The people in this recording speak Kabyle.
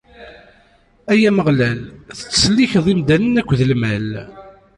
Ay Ameɣlal, tettsellikeḍ imdanen akked lmal.